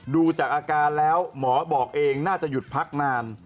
ดูจากอาการแล้วหมอบอกเองน่าจะหยุดพักนาน